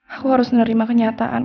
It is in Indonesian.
aku harus nerima kenyataan